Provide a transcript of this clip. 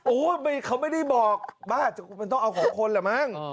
เขาไม่ได้บอกบ้ามันต้องเอาของคนแหละมั้ง